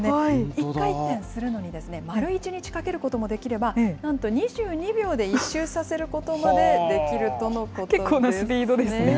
１回転するのに丸１日かけることもできれば、なんと２２秒で１周させることまでできるとのことです。